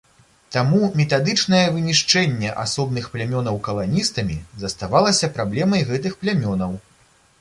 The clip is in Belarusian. Таму метадычнае вынішчэнне асобных плямёнаў каланістамі заставалася праблемай гэтых плямёнаў.